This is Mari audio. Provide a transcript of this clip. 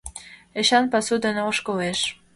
Эчан пасу дене ошкылеш.